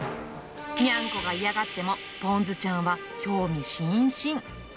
ニャンコが嫌がっても、ぽんずちゃんは興味津々。